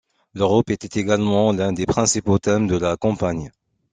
L'Europe était également l'un des principaux thèmes de la campagne.